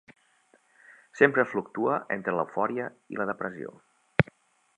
Sempre fluctua entre l'eufòria i la depressió.